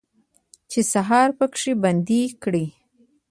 چې سهار پکې بندي کړي